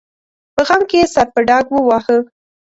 په غم کې یې سر په ډاګ وواهه.